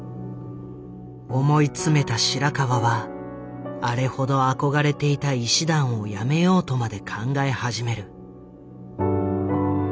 思い詰めた白川はあれほど憧れていた医師団を辞めようとまで考え始める。